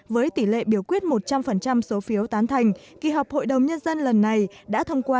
với tỷ lệ biểu quyết một trăm linh số phiếu tán thành kỳ họp hội đồng nhân dân lần này đã thông qua